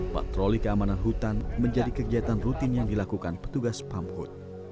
patroli keamanan hutan menjadi kegiatan rutin yang dilakukan petugas pamhut